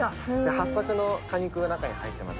はっさくの果肉が中に入ってます